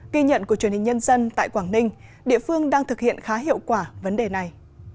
ghi nhận của truyền hình nhân dân tại quảng ninh địa phương đang thực hiện khá hiệu quả vấn đề này